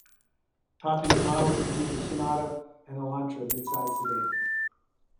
Popular models include the Sonata and Elantra mid-sized sedans.